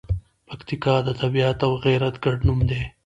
پکتیکا د طبیعت او غیرت ګډ نوم دی.